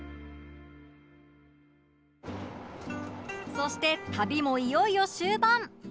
そして旅もいよいよ終盤